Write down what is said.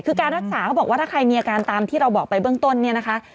คือการรักษาเขาบอกว่าถ้าใครมีอาการตามที่เราบอกไปเบื้องต้นเนี่ยนะคะ